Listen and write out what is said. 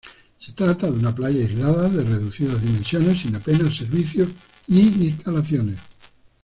Se trata de una playa aislada de reducidas dimensiones sin apenas servicios ni instalaciones.